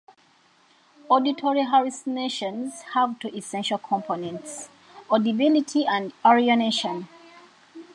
Auditory hallucinations have two essential components: audibility and alienation.